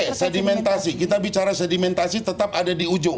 iya sedimentasi kita bicara sedimentasi tetap ada di ujung